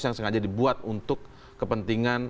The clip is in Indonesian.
yang sengaja dibuat untuk kepentingan